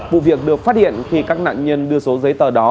vụ việc được phát hiện khi các nạn nhân đưa số giấy tờ đó